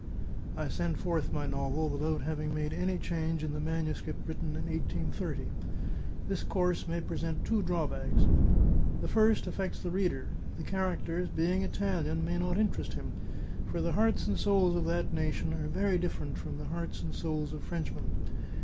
I send forth my novel without having made any change in the manuscript written in 1830. This course may present two drawbacks: The first affects the reader. The characters, being Italian, may not interest him, for the hearts and souls of that nation are very different from the hearts and souls of Frenchmen.